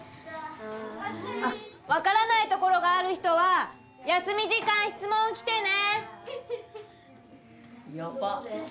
分からない所がある人は休み時間質問来てね！